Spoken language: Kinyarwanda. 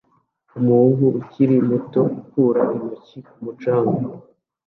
Umuhungu ukiri muto ukora intoki ku mucanga